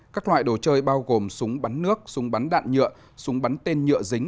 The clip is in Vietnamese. các loại đồ chơi bao gồm súng bắn nước súng bắn đạn nhựa súng bắn tên nhựa dính